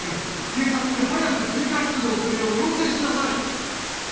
警察に早く追加出動するよう要請しなさい。